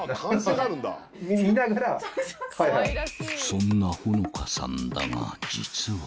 ［そんなほのかさんだが実は］